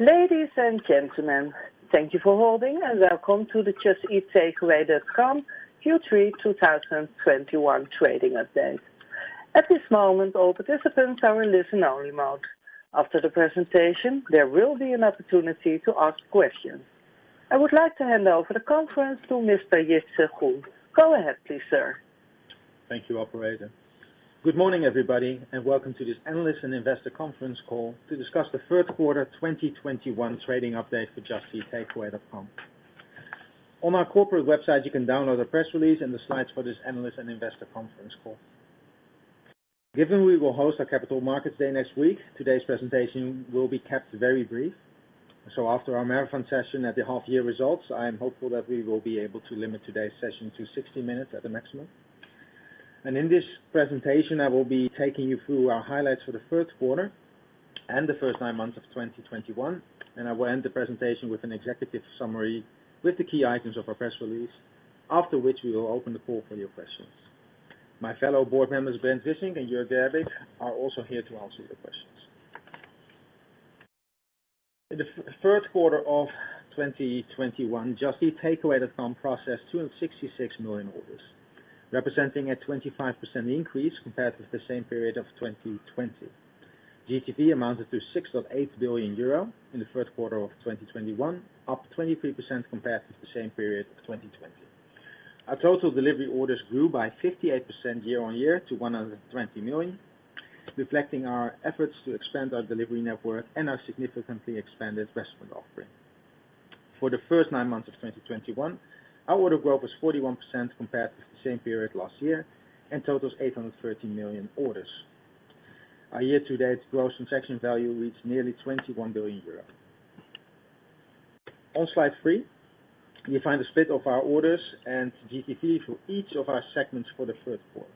Ladies and gentlemen, thank you for holding and welcome to the Just Eat Takeaway.com Q3 2021 trading update. At this moment, all participants are in listen-only mode. After the presentation, there will be an opportunity to ask questions. I would like to hand over the conference to Mr. Jitse Groen. Go ahead please, sir. Thank you, operator. Good morning, everybody, and welcome to this analyst and investor conference call to discuss the third quarter 2021 trading update for Just Eat Takeaway.com. On our corporate website, you can download our press release and the slides for this analyst and investor conference call. Given we will host our Capital Markets Day next week, today's presentation will be kept very brief. After our marathon session at the half year results, I am hopeful that we will be able to limit today's session to 60 minutes at the maximum. In this presentation, I will be taking you through our highlights for the third quarter and the first nine months of 2021, and I will end the presentation with an executive summary with the key items of our press release, after which we will open the call for your questions. My fellow board members, Brent Wissink and Jörg Gerbig, are also here to answer your questions. In the third quarter of 2021, Just Eat Takeaway.com processed 266 million orders, representing a 25% increase compared with the same period of 2020. GTV amounted to 6.8 billion euro in the third quarter of 2021, up 23% compared with the same period of 2020. Our total delivery orders grew by 58% year-on-year to 120 million, reflecting our efforts to expand our delivery network and our significantly expanded restaurant offering. For the first nine months of 2021, our order growth was 41% compared with the same period last year and totals 813 million orders. Our year-to-date gross transaction value reached nearly 21 billion euros. On slide three, you find the split of our orders and GTV for each of our segments for the third quarter.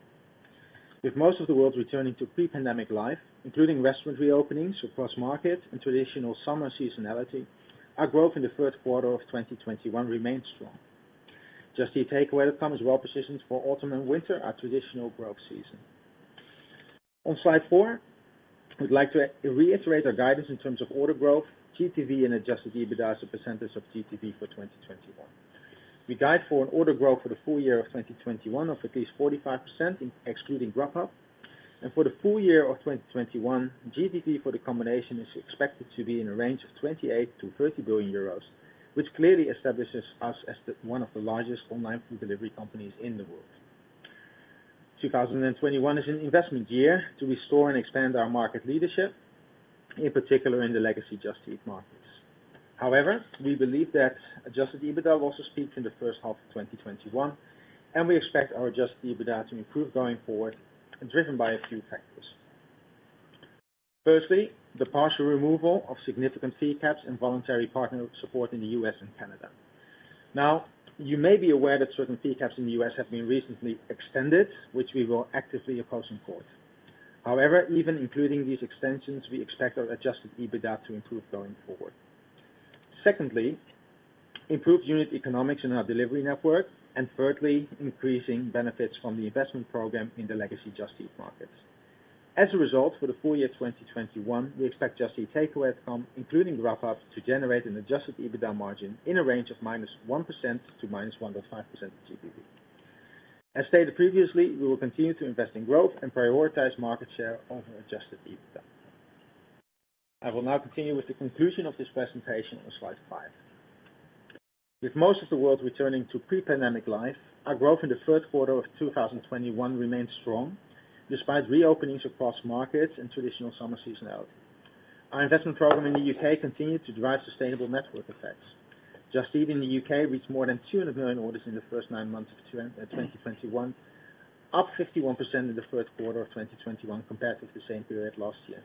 With most of the world returning to pre-pandemic life, including restaurant reopenings across market and traditional summer seasonality, our growth in the third quarter of 2021 remains strong. Just Eat Takeaway.com is well-positioned for autumn and winter, our traditional growth season. On slide four, we'd like to reiterate our guidance in terms of order growth, GTV, and adjusted EBITDA as a percentage of GTV for 2021. We guide for an order growth for the full year of 2021 of at least 45% excluding Grubhub, and for the full year of 2021, GTV for the combination is expected to be in a range of 28 billion-30 billion euros, which clearly establishes us as one of the largest online food delivery companies in the world. 2021 is an investment year to restore and expand our market leadership, in particular in the legacy Just Eat markets. We believe that adjusted EBITDA will also peak in the first half of 2021, and we expect our adjusted EBITDA to improve going forward, driven by a few factors. Firstly, the partial removal of significant fee caps and voluntary partner support in the U.S. and Canada. You may be aware that certain fee caps in the U.S. have been recently extended, which we will actively oppose in court. Even including these extensions, we expect our adjusted EBITDA to improve going forward. Secondly, improved unit economics in our delivery network, and thirdly, increasing benefits from the investment program in the legacy Just Eat markets. As a result, for the full year 2021, we expect Just Eat Takeaway.com, including Grubhub, to generate an adjusted EBITDA margin in a range of -1% to -1.5% GTV. As stated previously, we will continue to invest in growth and prioritize market share over adjusted EBITDA. I will now continue with the conclusion of this presentation on slide five. With most of the world returning to pre-pandemic life, our growth in the third quarter of 2021 remains strong despite reopenings across markets and traditional summer seasonality. Our investment program in the U.K. continued to drive sustainable network effects. Just Eat in the U.K. reached more than 200 million orders in the first nine months of 2021, up 51% in the first quarter of 2021 compared with the same period last year.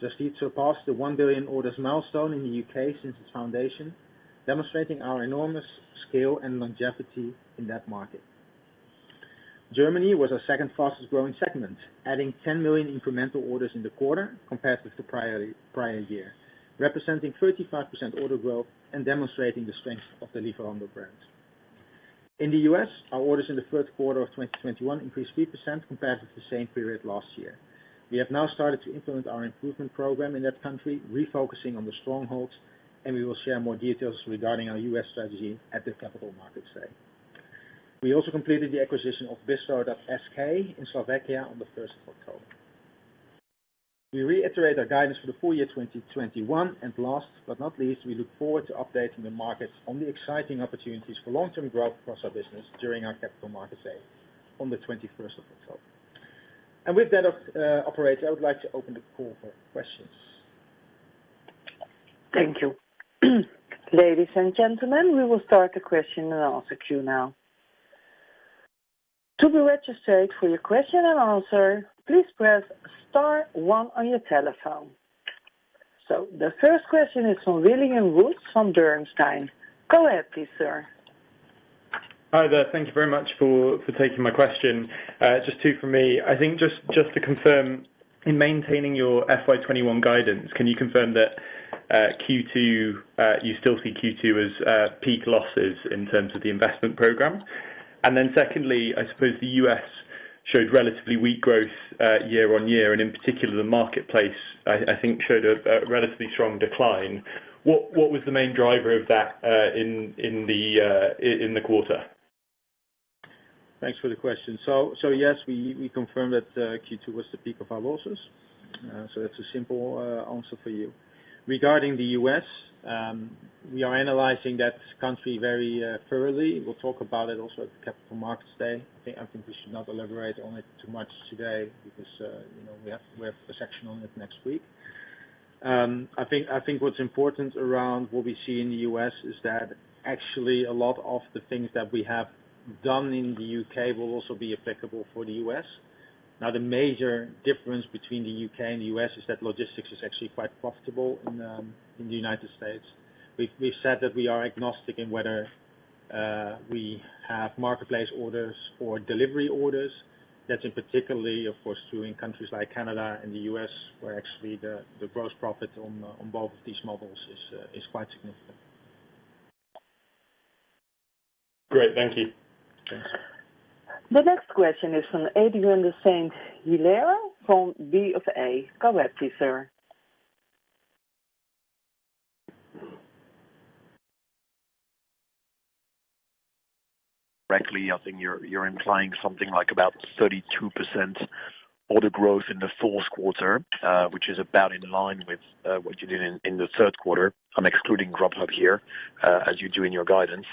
Just Eat surpassed the 1 billion orders milestone in the U.K. since its foundation, demonstrating our enormous scale and longevity in that market. Germany was our second fastest-growing segment, adding 10 million incremental orders in the quarter compared with the prior year, representing 35% order growth and demonstrating the strength of the Lieferando brand. In the U.S., our orders in the third quarter of 2021 increased 3% compared with the same period last year. We have now started to implement our improvement program in that country, refocusing on the strongholds, and we will share more details regarding our U.S. strategy at the Capital Markets Day. We also completed the acquisition of Bistro.sk in Slovakia on the 1st of October. We reiterate our guidance for the full year 2021, and last but not least, we look forward to updating the markets on the exciting opportunities for long-term growth across our business during our Capital Markets Day on the 21st of October. With that, operator, I would like to open the call for questions. Thank you. Ladies and gentlemen, we will start the question and answer queue now. To be registered for your question and answer, please press star one on your telephone. The first question is from William Woods from Bernstein. Go ahead please, sir. Hi there. Thank you very much for taking my question. Just two from me. I think just to confirm, in maintaining your FY 2021 guidance, can you confirm that you still see Q2 as peak losses in terms of the investment program? Secondly, I suppose the U.S. showed relatively weak growth year-on-year, and in particular, the marketplace, I think showed a relatively strong decline. What was the main driver of that in the quarter? Thanks for the question. Yes, we confirm that Q2 was the peak of our losses. That's a simple answer for you. Regarding the U.S., we are analyzing that country very thoroughly. We'll talk about it also at the Capital Markets Day. I think we should not elaborate on it too much today because we have a section on it next week. I think what's important around what we see in the U.S. is that actually a lot of the things that we have done in the U.K. will also be applicable for the U.S. Now, the major difference between the U.K. and the U.S. is that logistics is actually quite profitable in the United States. We've said that we are agnostic in whether we have marketplace orders or delivery orders. That's in particular, of course, true in countries like Canada and the U.S., where actually the gross profit on both of these models is quite significant. Great, thank you. Thanks. The next question is from Adrien de Saint Hilaire from BofA. Go ahead, please, sir. Correctly, I think you're implying something like about 32% order growth in the fourth quarter, which is about in line with what you did in the third quarter. I'm excluding Grubhub here, as you do in your guidance.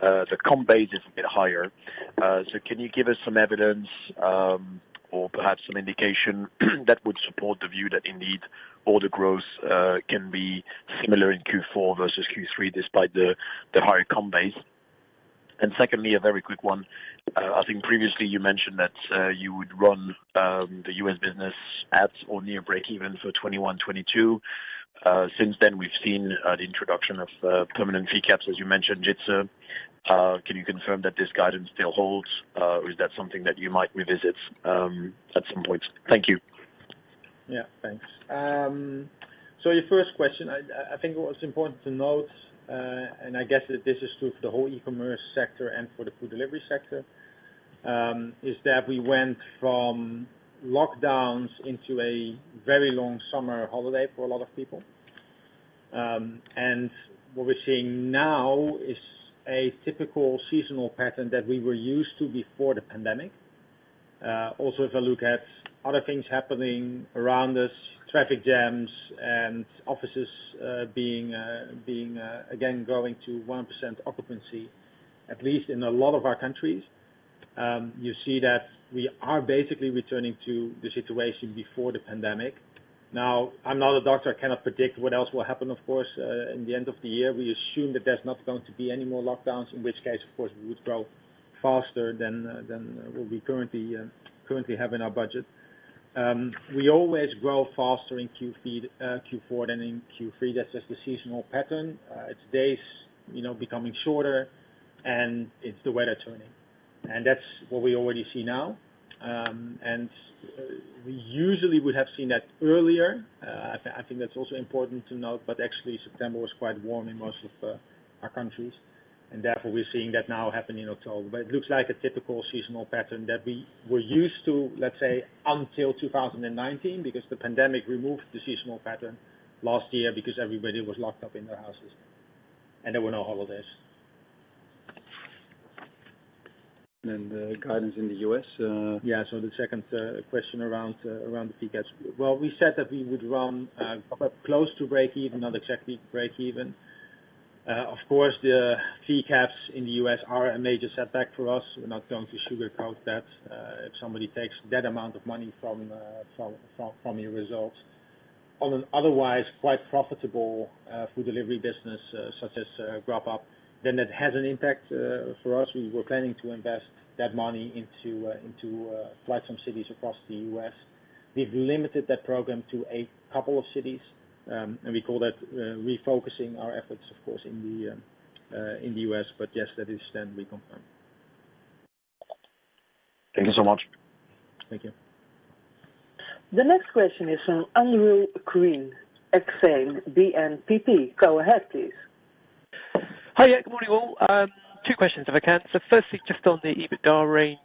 The comp base is a bit higher. Can you give us some evidence, or perhaps some indication that would support the view that indeed order growth can be similar in Q4 versus Q3 despite the higher comp base? Secondly, a very quick one. I think previously you mentioned that you would run the U.S. business at or near breakeven for 2021, 2022. Since then, we've seen the introduction of permanent fee caps, as you mentioned, Jitse. Can you confirm that this guidance still holds? Is that something that you might revisit at some point? Thank you. Yeah, thanks. Your first question, I think what's important to note, and I guess this is true for the whole e-commerce sector and for the food delivery sector, is that we went from lockdowns into a very long summer holiday for a lot of people. What we're seeing now is a typical seasonal pattern that we were used to before the pandemic. Also, if I look at other things happening around us, traffic jams and offices again, going to 1% occupancy, at least in a lot of our countries. You see that we are basically returning to the situation before the pandemic. I'm not a doctor. I cannot predict what else will happen, of course, in the end of the year. We assume that there's not going to be any more lockdowns, in which case, of course, we would grow faster than what we currently have in our budget. We always grow faster in Q4 than in Q3. That's just the seasonal pattern. It's days becoming shorter, and it's the weather turning. That's what we already see now. We usually would have seen that earlier. I think that's also important to note, but actually, September was quite warm in most of our countries, and therefore, we're seeing that now happen in October. It looks like a typical seasonal pattern that we were used to, let's say, until 2019, because the pandemic removed the seasonal pattern last year because everybody was locked up in their houses, and there were no holidays. The guidance in the U.S.? Yeah, the second question around the fee caps. Well, we said that we would run Grubhub close to breakeven, not exactly breakeven. Of course, the fee caps in the U.S. are a major setback for us. We're not going to sugarcoat that. If somebody takes that amount of money from your results on an otherwise quite profitable food delivery business such as Grubhub, then it has an impact for us. We were planning to invest that money into fly some cities across the U.S. We've limited that program to a couple of cities, and we call that refocusing our efforts, of course, in the U.S. Yes, that is then reconfirmed. Thank you so much. Thank you. The next question is from Andrew Gwynn, Exane BNP. Go ahead, please. Hi. Yeah, good morning, all. Two questions, if I can. Firstly, just on the EBITDA range.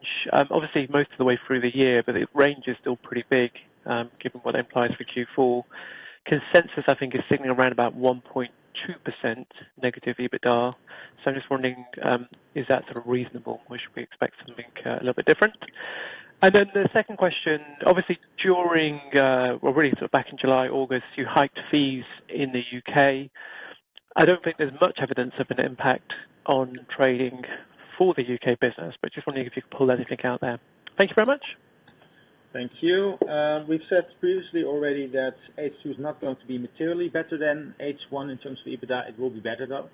Obviously, most of the way through the year, but the range is still pretty big, given what it implies for Q4. Consensus, I think, is sitting around about 1.2% negative EBITDA. I'm just wondering, is that sort of reasonable? Or should we expect something a little bit different? The second question, obviously, back in July, August, you hiked fees in the U.K. I don't think there's much evidence of an impact on trading for the U.K. business, but just wondering if you could pull anything out there. Thank you very much. Thank you. We've said previously already that H2 is not going to be materially better than H1 in terms of EBITDA. It will be better, though.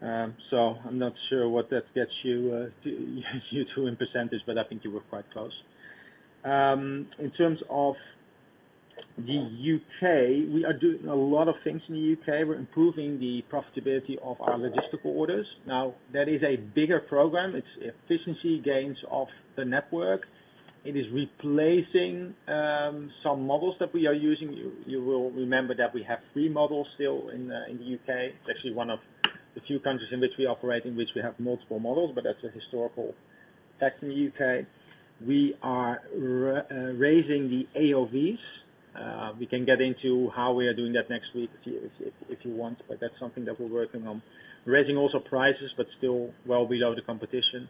I'm not sure what that gets you to in percentage, but I think you were quite close. In terms of the U.K., we are doing a lot of things in the U.K. We're improving the profitability of our logistical orders. Now, that is a bigger program. It's efficiency gains of the network. It is replacing some models that we are using. You will remember that we have three models still in the U.K. It's actually one of the few countries in which we operate, in which we have multiple models, but that's a historical fact in the U.K. We are raising the AOVs. We can get into how we are doing that next week if you want, but that's something that we're working on. Raising also prices, still well below the competition.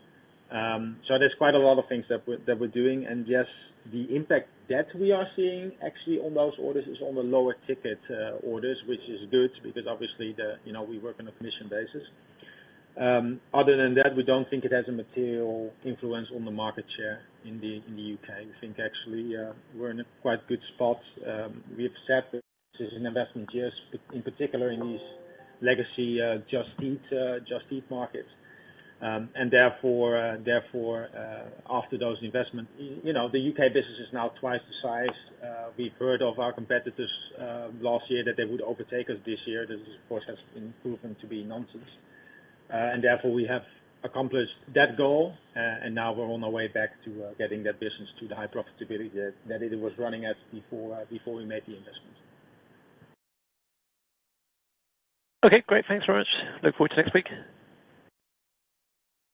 There's quite a lot of things that we're doing, and yes, the impact that we are seeing actually on those orders is on the lower ticket orders, which is good because obviously we work on a commission basis. Other than that, we don't think it has a material influence on the market share in the U.K. We think actually, we're in a quite good spot. We accept that this is an investment, yes, in particular in these legacy Just Eat markets. Therefore, after those investments, the U.K. business is now twice the size. We've heard of our competitors last year that they would overtake us this year. This, of course, has been proven to be nonsense. Therefore, we have accomplished that goal, and now we're on our way back to getting that business to the high profitability that it was running at before we made the investment. Okay, great. Thanks very much. Look forward to next week.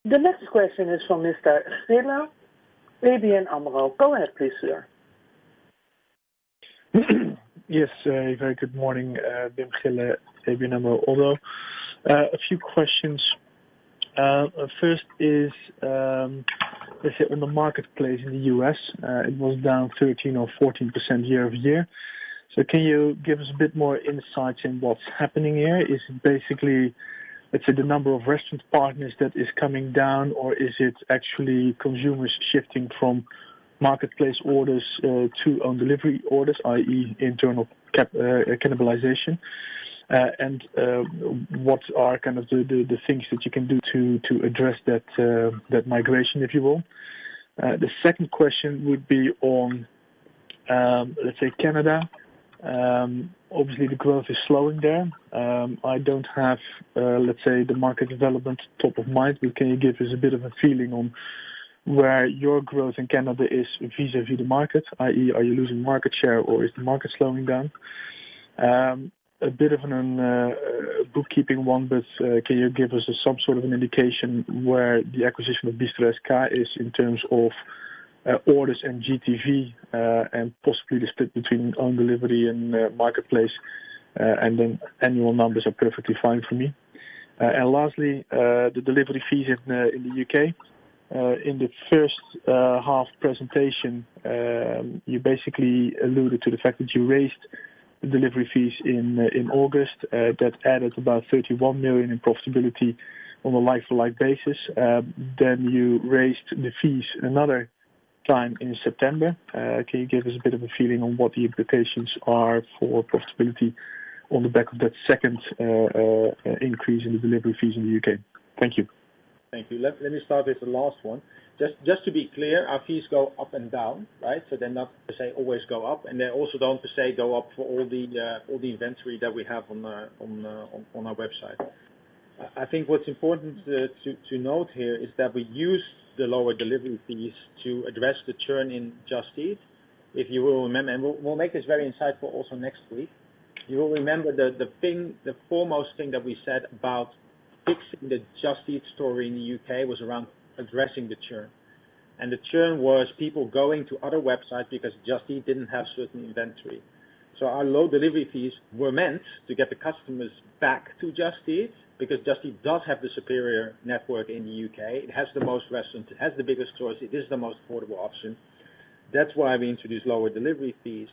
The next question is from Mr. Wim Gille, ABN AMRO. Go ahead, please, sir. Very good morning. Wim Gille, ABN AMRO. A few questions. First is, let's say on the marketplace in the U.S., it was down 13% or 14% year-over-year. Can you give us a bit more insight in what's happening here? Is it basically, let's say, the number of restaurant partners that is coming down, or is it actually consumers shifting from marketplace orders to own delivery orders, i.e., internal cannibalization? What are kind of the things that you can do to address that migration, if you will? The second question would be on, let's say, Canada. Obviously, the growth is slowing there. I don't have, let's say, the market development top of mind, but can you give us a bit of a feeling on where your growth in Canada is vis-à-vis the market, i.e., are you losing market share or is the market slowing down? A bit of a bookkeeping one, can you give us some sort of an indication where the acquisition of Bistro.sk is in terms of orders and GTV, and possibly the split between own delivery and marketplace, and then annual numbers are perfectly fine for me. Lastly, the delivery fees in the U.K. In the first half presentation, you basically alluded to the fact that you raised the delivery fees in August. That added about 31 million in profitability on a like-to-like basis. You raised the fees another time in September. Can you give us a bit of a feeling on what the implications are for profitability on the back of that second increase in the delivery fees in the U.K.? Thank you. Thank you. Let me start with the last one. Just to be clear, our fees go up and down, right? They're not to say always go up, and they also don't to say go up for all the inventory that we have on our website. I think what's important to note here is that we use the lower delivery fees to address the churn in Just Eat. If you will remember, and we'll make this very insightful also next week. You will remember the foremost thing that we said about fixing the Just Eat story in the U.K. was around addressing the churn. The churn was people going to other websites because Just Eat didn't have certain inventory. Our low delivery fees were meant to get the customers back to Just Eat because Just Eat does have the superior network in the U.K. It has the most restaurants, it has the biggest stores, it is the most affordable option. That's why we introduced lower delivery fees.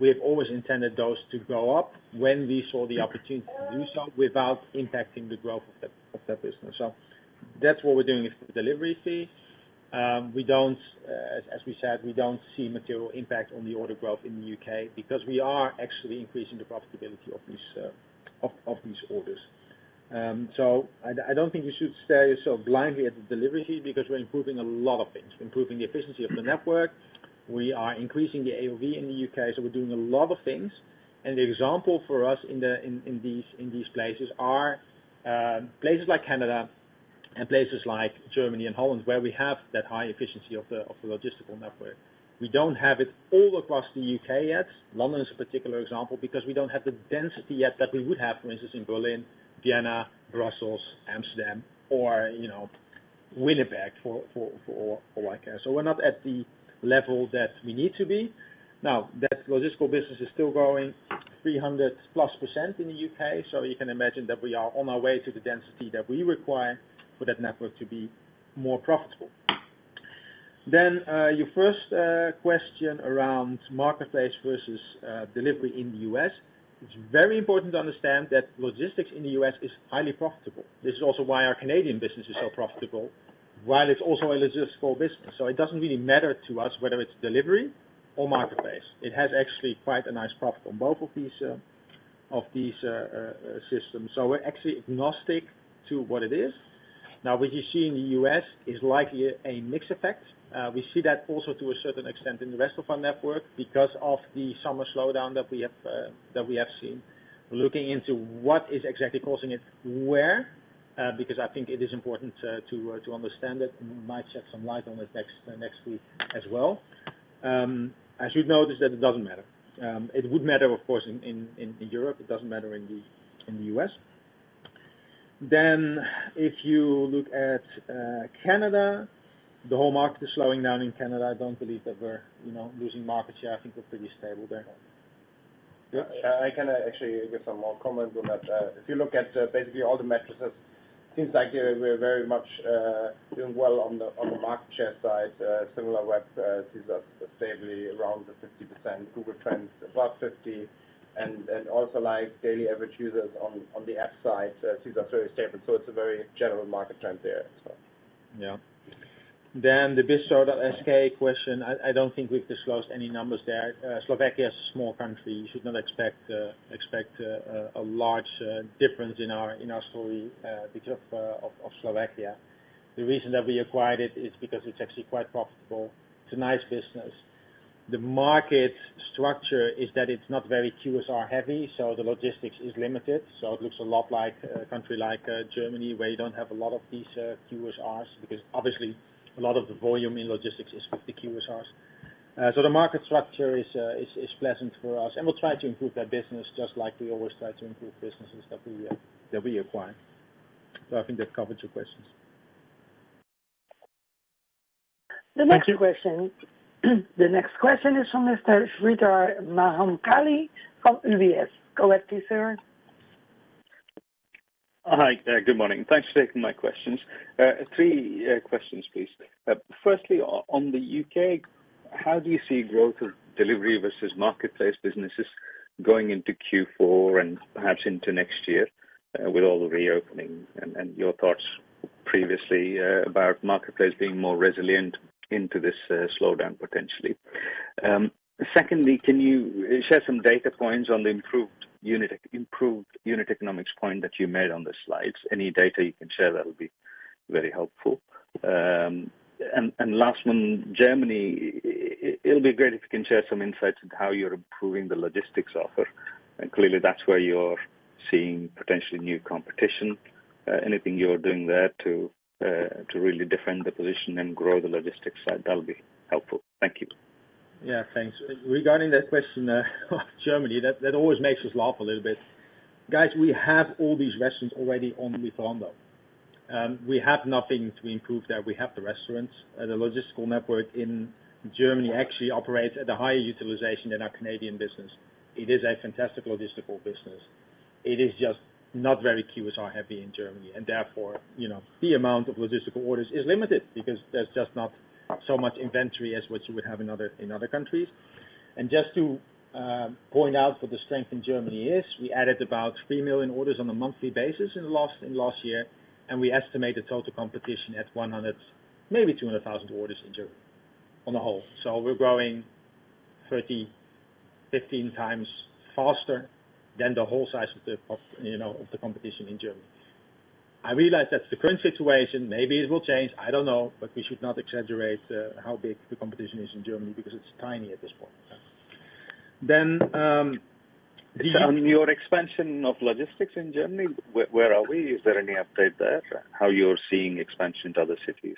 We have always intended those to go up when we saw the opportunity to do so without impacting the growth of that business. That's what we're doing with the delivery fee. As we said, we don't see material impact on the order growth in the U.K. because we are actually increasing the profitability of these orders. I don't think you should stare yourself blindly at the delivery fee because we're improving a lot of things. We're improving the efficiency of the network. We are increasing the AOV in the U.K., so we're doing a lot of things. The example for us in these places are places like Canada and places like Germany and Holland, where we have that high efficiency of the logistical network. We don't have it all across the U.K. yet. London is a particular example because we don't have the density yet that we would have, for instance, in Berlin, Vienna, Brussels, Amsterdam, or Winnipeg for all I care. We're not at the level that we need to be. That logistical business is still growing 300%+ in the U.K., so you can imagine that we are on our way to the density that we require for that network to be more profitable. Your first question around marketplace versus delivery in the U.S. It's very important to understand that logistics in the U.S. is highly profitable. This is also why our Canadian business is so profitable while it's also a logistical business. It doesn't really matter to us whether it's delivery or marketplace. It has actually quite a nice profit on both of these systems. We're actually agnostic to what it is. What you see in the U.S. is likely a mix effect. We see that also to a certain extent in the rest of our network because of the summer slowdown that we have seen. We're looking into what is exactly causing it. Because I think it is important to understand it, might shed some light on it next week as well. You'd notice that it doesn't matter. It would matter, of course, in Europe, it doesn't matter in the U.S. If you look at Canada, the whole market is slowing down in Canada. I don't believe that we're losing market share. I think we're pretty stable there. I can actually give some more comment on that. If you look at basically all the metrics, it seems like we're very much doing well on the market share side, Similarweb sees us stably around the 50%, Google Trends above 50%, and also daily average users on the app side sees us very stable. It's a very general market trend there as well. The Bistro.sk question, I don't think we've disclosed any numbers there. Slovakia is a small country. You should not expect a large difference in our story because of Slovakia. The reason that we acquired it is because it's actually quite profitable. It's a nice business. The market structure is that it's not very QSR heavy, so the logistics is limited. It looks a lot like a country like Germany, where you don't have a lot of these QSRs, because obviously a lot of the volume in logistics is with the QSRs. The market structure is pleasant for us, and we'll try to improve that business just like we always try to improve businesses that we acquire. I think that covers your questions. Thank you. The next question is from Mr. Sreedhar Mahamkali from UBS. Go ahead, please, sir. Hi. Good morning. Thanks for taking my questions. Three questions, please. Firstly, on the U.K., how do you see growth of delivery versus marketplace businesses going into Q4 and perhaps into next year with all the reopening? Your thoughts previously about marketplace being more resilient into this slowdown potentially. Secondly, can you share some data points on the improved unit economics point that you made on the slides? Any data you can share, that'll be very helpful. Last one, Germany. It'll be great if you can share some insights into how you're improving the logistics offer. Clearly that's where you're seeing potentially new competition. Anything you're doing there to really defend the position and grow the logistics side, that'll be helpful. Thank you. Yeah, thanks. Regarding that question on Germany, that always makes us laugh a little bit. Guys, we have all these restaurants already on Lieferando. We have nothing to improve there. We have the restaurants. The logistical network in Germany actually operates at a higher utilization than our Canadian business. It is a fantastic logistical business. It is just not very QSR heavy in Germany, and therefore, the amount of logistical orders is limited because there's just not so much inventory as what you would have in other countries. Just to point out what the strength in Germany is, we added about 3 million orders on a monthly basis in last year, and we estimate the total competition at 100,000, maybe 200,000 orders in Germany on the whole. We're growing 30x, 15x faster than the whole size of the competition in Germany. I realize that's the current situation. Maybe it will change, I don't know, but we should not exaggerate how big the competition is in Germany because it's tiny at this point. On your expansion of logistics in Germany, where are we? Is there any update there, how you're seeing expansion to other cities?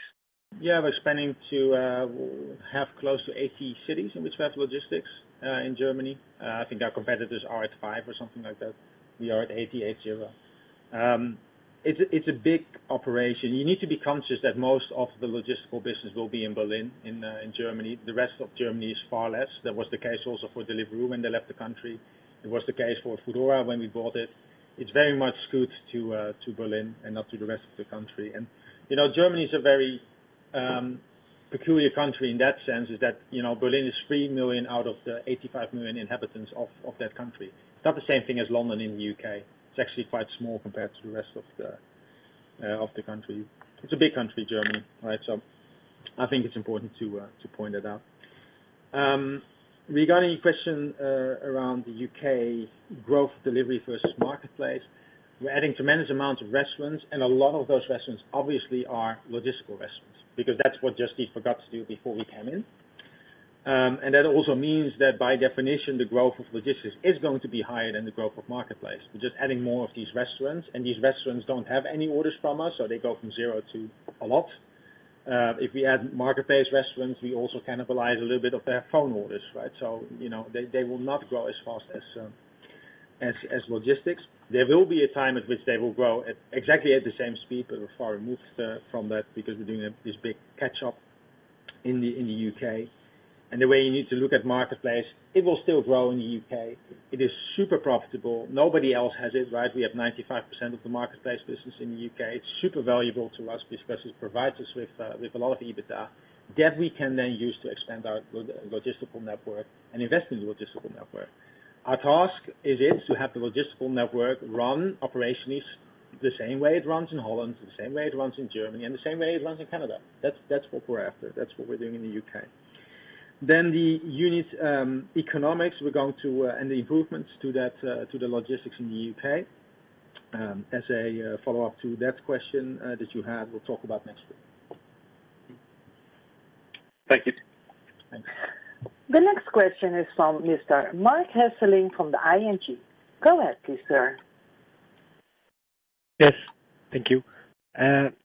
Yeah, we're expanding to have close to 80 cities in which we have logistics in Germany. I think our competitors are at five or something like that. We are at 80. It's a big operation. You need to be conscious that most of the logistical business will be in Berlin, in Germany. The rest of Germany is far less. That was the case also for Deliveroo when they left the country. It was the case for foodora when we bought it. It's very much skewed to Berlin and not to the rest of the country. Germany is a very peculiar country in that sense is that Berlin is 3 million out of the 85 million inhabitants of that country. It's not the same thing as London in the U.K. It's actually quite small compared to the rest of the country. It's a big country, Germany, so I think it's important to point that out. Regarding your question around the U.K. growth delivery versus marketplace, we're adding tremendous amounts of restaurants, and a lot of those restaurants obviously are logistical restaurants because that's what Just Eat forgot to do before we came in. That also means that by definition, the growth of logistics is going to be higher than the growth of marketplace. We're just adding more of these restaurants, and these restaurants don't have any orders from us, so they go from zero to a lot. If we add marketplace restaurants, we also cannibalize a little bit of their phone orders. They will not grow as fast as logistics. There will be a time at which they will grow at exactly at the same speed, but we're far removed from that because we're doing this big catch-up in the U.K. The way you need to look at marketplace, it will still grow in the U.K. It is super profitable. Nobody else has it. We have 95% of the marketplace business in the U.K. It's super valuable to us because it provides us with a lot of EBITDA that we can then use to expand our logistical network and invest in the logistical network. Our task is to have the logistical network run operationally the same way it runs in Holland, the same way it runs in Germany, and the same way it runs in Canada. That's what we're after. That's what we're doing in the U.K. The unit economics, and the improvements to the logistics in the U.K., as a follow-up to that question that you had, we'll talk about next week. Thank you. Thanks. The next question is from Mr. Marc Hesselink from the ING. Go ahead, please, sir. Yes, thank you.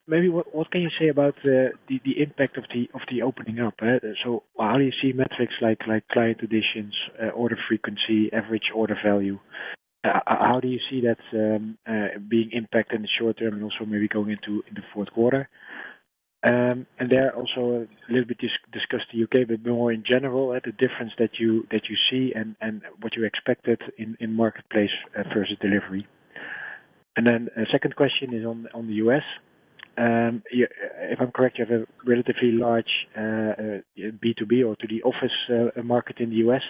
Maybe what can you say about the impact of the opening up? How do you see metrics like client additions, order frequency, AOV? How do you see that being impacted in the short term and also maybe going into the fourth quarter? There also a little bit discussed the U.K., but more in general, the difference that you see and what you expected in marketplace versus delivery. A second question is on the U.S. If I'm correct, you have a relatively large B2B or to the office market in the U.S.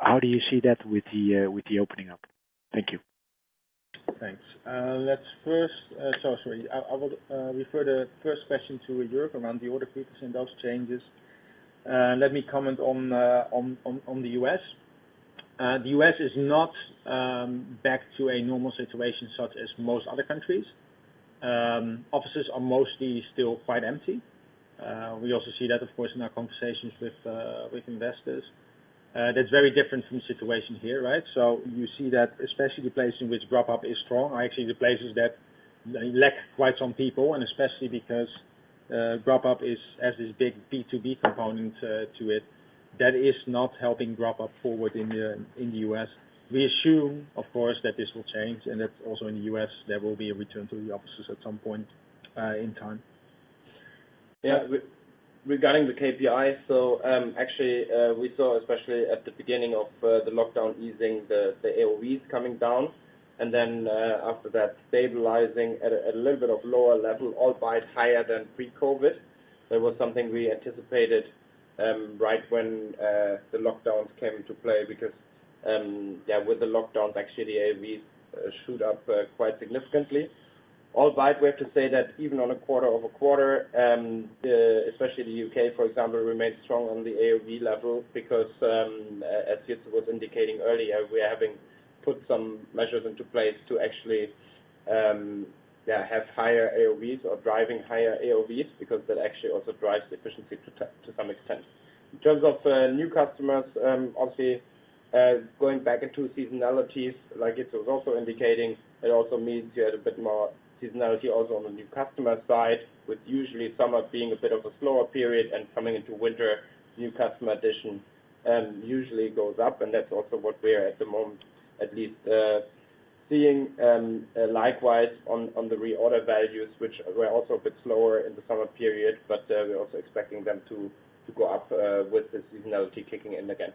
How do you see that with the opening up? Thank you. Thanks. I would refer the first question to Europe around the order frequency and those changes. Let me comment on the U.S. The U.S. is not back to a normal situation such as most other countries. Offices are mostly still quite empty. We also see that, of course, in our conversations with investors. That's very different from situation here, right? You see that especially the places in which Grubhub is strong are actually the places that lack quite some people, and especially because Grubhub has this big B2B component to it. That is not helping Grubhub forward in the U.S. We assume, of course, that this will change and that also in the U.S., there will be a return to the offices at some point in time. Regarding the KPI, actually, we saw, especially at the beginning of the lockdown easing, the AOVs coming down, and then after that, stabilizing at a little bit of lower level, albeit higher than pre-COVID. That was something we anticipated right when the lockdowns came into play because with the lockdowns, actually the AOVs shoot up quite significantly. Albeit we have to say that even on a quarter-over-quarter, especially the U.K., for example, remains strong on the AOV level because, as Jitse was indicating earlier, we are having put some measures into place to actually have higher AOVs or driving higher AOVs because that actually also drives the efficiency to some extent. In terms of new customers, obviously, going back into seasonalities, like Jitse was also indicating, it also means you had a bit more seasonality also on the new customer side, with usually summer being a bit of a slower period and coming into winter, new customer addition usually goes up, and that's also what we are at the moment at least seeing. Likewise on the reorder values, which were also a bit slower in the summer period, but we're also expecting them to go up with the seasonality kicking in again.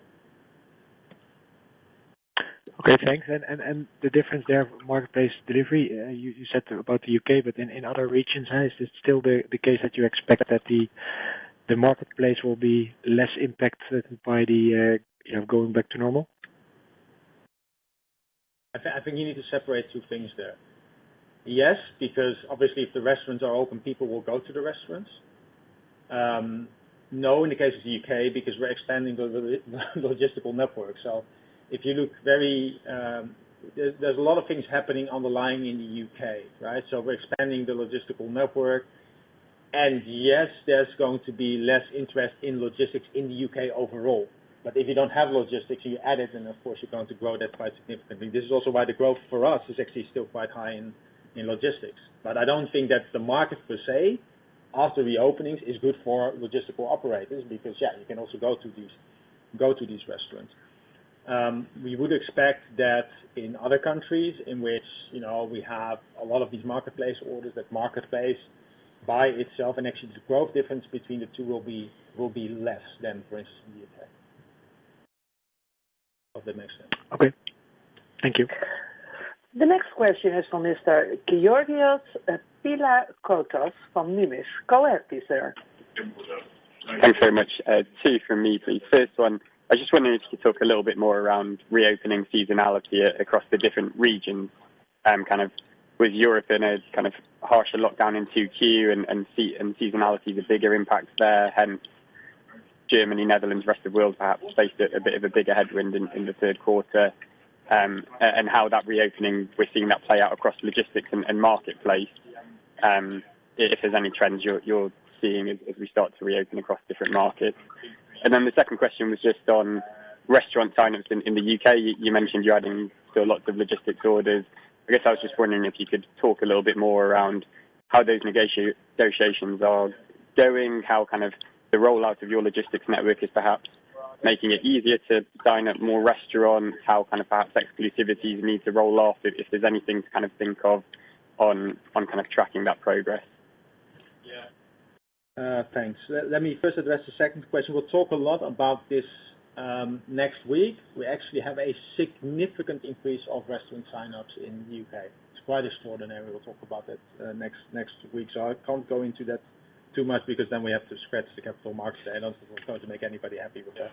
Okay, thanks. The difference there marketplace delivery, you said about the U.K., but in other regions, is it still the case that you expect that the marketplace will be less impacted by the going back to normal? I think you need to separate two things there. Yes, because obviously if the restaurants are open, people will go to the restaurants. No, in the case of the U.K., because we're expanding the logistical network. There's a lot of things happening on the line in the U.K., right? We're expanding the logistical network. Yes, there's going to be less interest in logistics in the U.K. overall. If you don't have logistics, you add it, and of course, you're going to grow that quite significantly. This is also why the growth for us is actually still quite high in logistics. I don't think that the market per se, after reopenings, is good for logistical operators because, yeah, you can also go to these restaurants. We would expect that in other countries in which we have a lot of these marketplace orders, that marketplace by itself and actually the growth difference between the two will be less than, for instance, in the U.K. Hope that makes sense. Okay. Thank you. The next question is from Mr. Georgios Pilakoutas from Numis. Go ahead, please, sir. Thanks very much. Two from me, please. First one, I just wondered if you could talk a little bit more around reopening seasonality across the different regions, kind of with Europe in a kind of harsher lockdown in 2Q and seasonality, the bigger impacts there, hence Germany, Netherlands, rest of world perhaps faced a bit of a bigger headwind in the third quarter. How that reopening, we're seeing that play out across logistics and marketplace, if there's any trends you're seeing as we start to reopen across different markets. The second question was just on restaurant signups in the U.K. You mentioned you're adding still lots of logistics orders. I guess I was just wondering if you could talk a little bit more around how those negotiations are going, how kind of the rollout of your logistics network is perhaps making it easier to sign up more restaurants, how kind of perhaps exclusivities need to roll off, if there's anything to kind of think of on kind of tracking that progress. Yeah. Thanks. Let me first address the second question. We'll talk a lot about this next week. We actually have a significant increase of restaurant signups in the U.K. It's quite extraordinary. We'll talk about that next week. I can't go into that too much because then we have to scratch the Capital Markets Day, which won't make anybody happy with that.